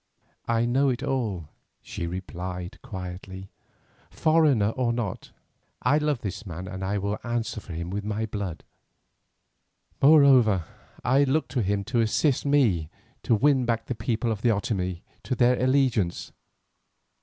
"I know it all," she replied quietly. "Foreigner or not, I love this man and I will answer for him with my blood. Moreover, I look to him to assist me to win back the people of the Otomie to their allegiance.